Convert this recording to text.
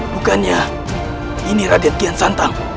bukannya ini raden kian santang